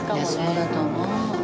そうだと思う。